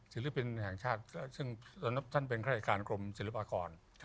ศิลปินแห่งชาติซึ่งท่านเป็นฆาติการกรมศิลปากร